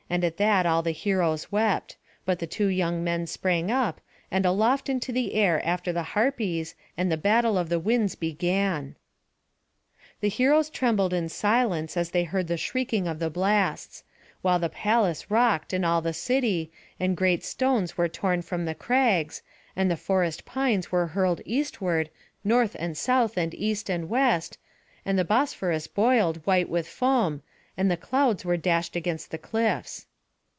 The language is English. At that all the heroes wept; but the two young men sprang up, and aloft into the air after the Harpies, and the battle of the winds began. The heroes trembled in silence as they heard the shrieking of the blasts; while the palace rocked and all the city, and great stones were torn from the crags, and the forest pines were hurled eastward, north and south and east and west, and the Bosphorus boiled white with foam, and the clouds were dashed against the cliffs.